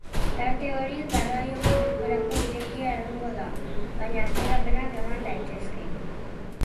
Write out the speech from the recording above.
Tarte hori garraio publikorako irekia egongo da, baina atzerapenak eman daitezke.